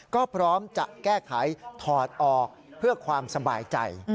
ก็พร้อมจะแก้ไขถอดออกเพื่อความสบายใจ